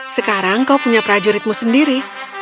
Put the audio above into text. sekarang kau punya prajuritmu sendiri